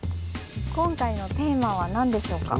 今回のテーマは何でしょうか。